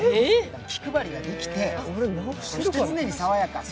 気配りができてそして常に爽やか。